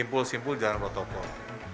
jadi itu simpul jalan protokol